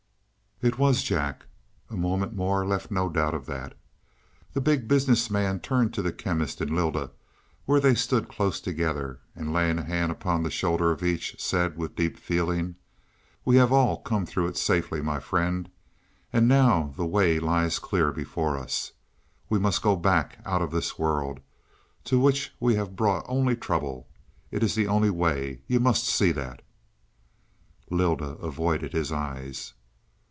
It was Jack; a moment more left no doubt of that. The Big Business Man turned to the Chemist and Lylda, where they stood close together, and laying a hand upon the shoulder of each said with deep feeling: "We have all come through it safely, my friends. And now the way lies clear before us. We must go back, out of this world, to which we have brought only trouble. It is the only way; you must see that." Lylda avoided his eyes.